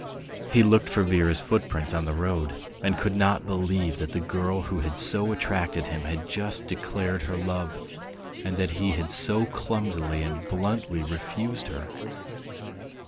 He looked for Vera's footprints on the road, and could not believe that the girl who had so attracted him had just declared her love, and that he had so clumsily and bluntly "refused" her.